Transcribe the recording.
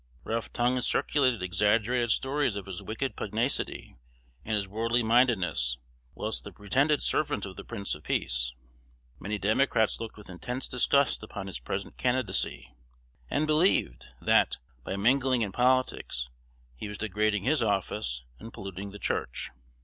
Rough tongues circulated exaggerated stories of his wicked pugnacity and his worldly mindedness, whilst the pretended servant of the Prince of peace. Many Democrats looked with intense disgust upon his present candidacy, and believed, that, by mingling in politics, he was degrading his office and polluting the Church.